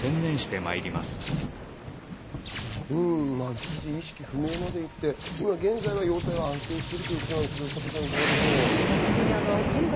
一時意識不明まで行って現在は容態は安定してるということなんですけれど、いかがでしょうか？